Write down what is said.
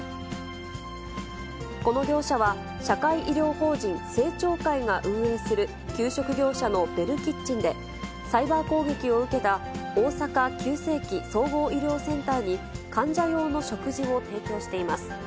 この業者は、社会医療法人生長会が運営する、給食業者のベルキッチンで、サイバー攻撃を受けた大阪急性期・総合医療センターに患者用の食事を提供しています。